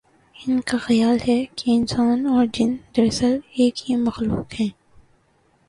ان کا خیال ہے کہ انسان اور جن دراصل ایک ہی مخلوق ہے۔